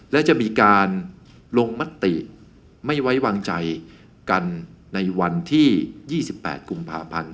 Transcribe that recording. และจะมีการลงมติไม่ไว้วางใจกันในวันที่๒๘กุมภาพันธ์